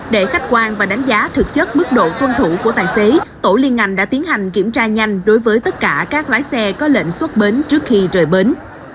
để khách quan và đánh giá thực chất mức độ quân thủ của tài xế tổ liên ngành đã tiến hành kiểm tra nhanh đối với tất cả các lái xe có lệnh xuất bến trước khi trời bến